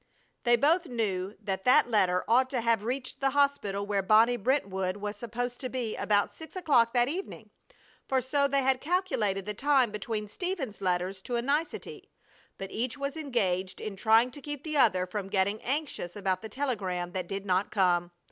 They both knew that that letter ought to have reached the hospital where Bonnie Brentwood was supposed to be about six o'clock that evening, for so they had calculated the time between Stephen's letters to a nicety; but each was engaged in trying to keep the other from getting anxious about the telegram that did not come.